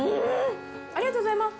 ありがとうございます。